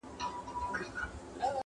زما له میني لوی ښارونه لمبه کیږي!.